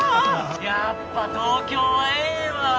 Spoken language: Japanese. やっぱ東京はええわ。